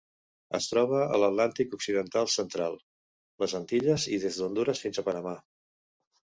Es troba a l'Atlàntic occidental central: les Antilles i des d'Hondures fins a Panamà.